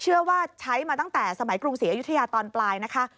ใช้มาตั้งแต่สมัยกรุงศรีอยุธยาตอนปลายนะคะ